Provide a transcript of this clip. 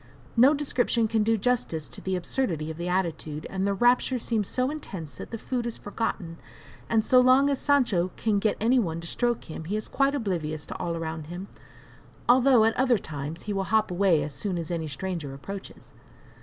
No description can do justice to the absurdity of the attitude, and the rapture seems so intense that food is forgotten, and so long as Sancho can get any one to stroke him, he is quite oblivious to all around him, although at other times he will hop away as soon as any stranger approaches.